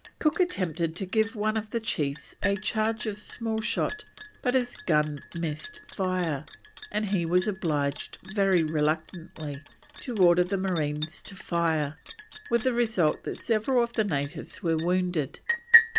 Cook attempted to give one of the chiefs a charge of small shot, but his gun missed fire, and he was obliged, very reluctantly, to order the marines to fire, with the result that several of the natives were wounded.